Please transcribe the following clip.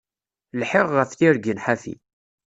Lḥiɣ ɣef tirgin ḥafi.